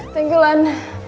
thank you lan